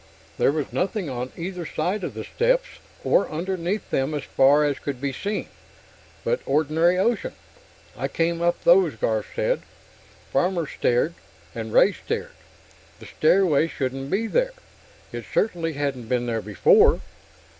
There was nothing on either side of the steps, or underneath them as far as could be seen, but ordinary ocean. "I came up those," Garf said. Farmer stared, and Ray stared. The stairway shouldn't be there it certainly hadn't been there before.